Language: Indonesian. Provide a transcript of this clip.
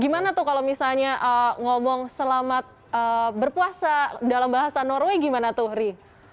gimana tuh kalau misalnya ngomong selamat berpuasa dalam bahasa norway gimana tuh ri